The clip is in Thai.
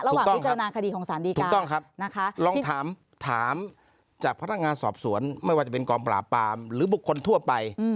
ระหว่างวิจารณาคดีของสารดีกาย